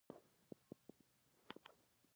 د بدبختۍ غږ وېرونکې دی